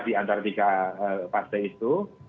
di antara tiga partai itu